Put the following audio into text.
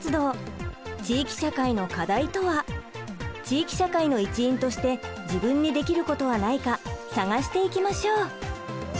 地域社会の一員として自分にできることはないか探していきましょう！